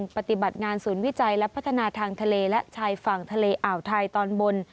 มีปฏิบัติงานสูญวิจัยและพัฒนาทางเทลและชายฝั่งเทลอ่าวไทยตอนบน